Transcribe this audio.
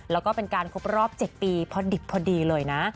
แล้วก็เป็นการครบรอบ๗ปีพอดิบพอดีเลยนะ